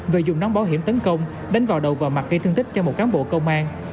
rồi dùng nón bảo hiểm tấn công đánh vào đầu và mặt gây thương tích cho một cán bộ công an